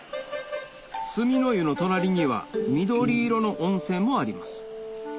墨の湯の隣には緑色の温泉もあります